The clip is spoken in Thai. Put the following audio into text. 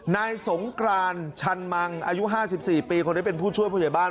นายสงกรานชันมังอายุ๕๔ปีคนนี้เป็นผู้ช่วยผู้ใหญ่บ้าน